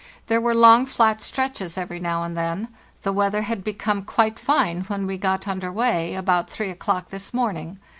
There were long, flat stretches every now and then. The weather had become quite fine when we got under way, about 3 o'clock this morning.